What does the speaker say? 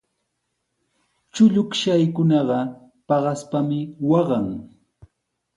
Chullukshaykunaqa paqaspami waqan.